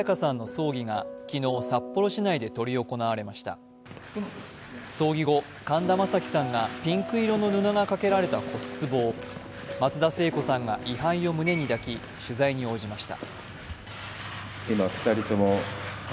葬儀後、神田正輝さんがピンク色の布をかけられた骨つぼを、松田聖子さんが位はいを胸に抱き、取材に応じました。